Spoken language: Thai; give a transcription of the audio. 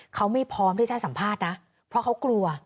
เขาไม่พร้อมที่จะสัมภาษณ์นะเพราะเขากลัว